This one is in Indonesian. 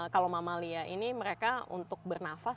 kalau mamalia ini mereka untuk bernafas